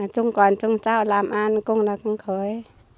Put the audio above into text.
trong quản trung trao làm ăn cũng là không khởi